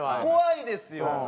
怖いですよ。